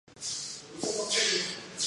راځئ چې دا بنسټ نور هم قوي کړو.